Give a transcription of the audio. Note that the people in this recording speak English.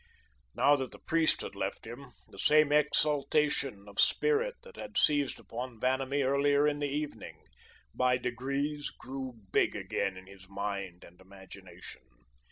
Now that the priest had left him, the same exaltation of spirit that had seized upon Vanamee earlier in the evening, by degrees grew big again in his mind and imagination.